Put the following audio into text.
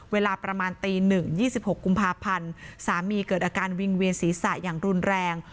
เวลาประมาณตี๑๒๖กุมภาพันธ์สามีเกิดอาการวิงเวียนศีรษะอย่างรุนแรง